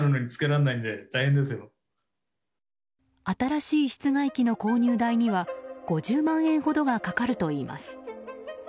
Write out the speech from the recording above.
新しい室外機の購入代には５０万円ほどがかかるといいます。